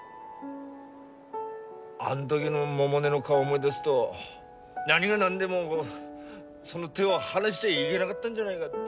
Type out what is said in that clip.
あん時の百音の顔を思い出すと何が何でもその手を離しちゃいげながったんじゃないがって。